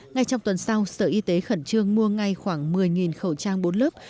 ngay trong tuần sau sở y tế khẩn trương mua ngay khoảng một mươi khẩu trang bốn lớp